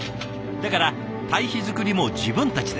だから堆肥作りも自分たちで。